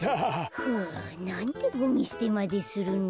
ふうなんでゴミすてまでするの。